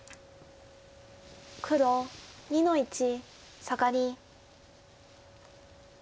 黒２の一サガリ。